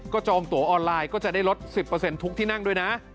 ก็จองตัวออนไลน์ก็จะได้ลด๑๐ทุกที่นั่งด้วยนะ